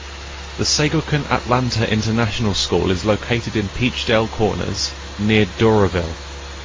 The Seigakuin Atlanta International School is located in Peachtree Corners, near Doraville.